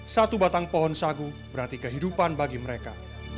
satu batang pohon sagu berarti kehidupan bagi mereka